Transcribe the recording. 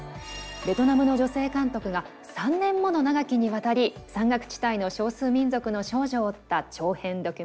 ベトナムの女性監督が３年もの長きにわたり山岳地帯の少数民族の少女を追った長編ドキュメンタリーです。